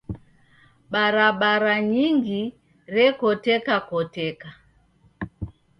Barabara nyingi rekotekakoteka.